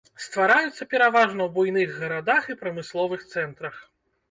Ствараюцца пераважна ў буйных гарадах і прамысловых цэнтрах.